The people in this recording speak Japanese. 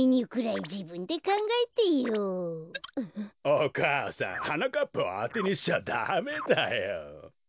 お母さんはなかっぱをあてにしちゃダメだよ。